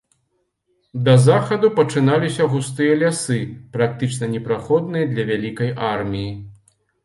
Да захаду пачыналіся густыя лясы, практычна непраходныя для вялікай арміі.